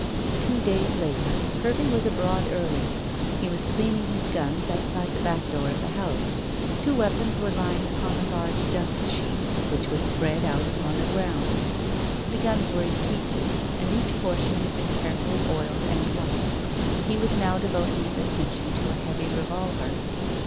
Two days later Hervey was abroad early. He was cleaning his guns outside the back door of the house. Two weapons were lying upon a large dust sheet which was spread out upon the ground. The guns were in pieces, and each portion had been carefully oiled and wiped. He was now devoting his attention to a heavy revolver.